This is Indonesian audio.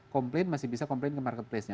complain masih bisa complain ke marketplacenya